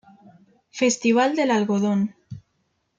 Festival del Algodón.